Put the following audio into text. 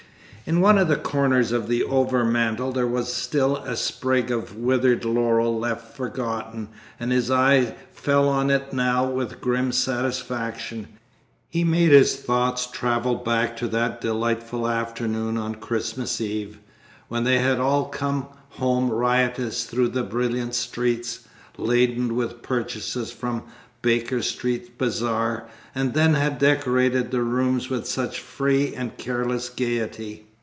In one of the corners of the overmantel there was still a sprig of withered laurel left forgotten, and his eye fell on it now with grim satisfaction. He made his thoughts travel back to that delightful afternoon on Christmas Eve, when they had all come home riotous through the brilliant streets, laden with purchases from the Baker Street Bazaar, and then had decorated the rooms with such free and careless gaiety.